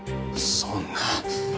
そんな。